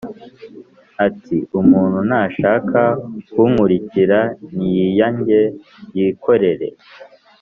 Ati umuntu nashaka kunkurikira niyiyange yikorere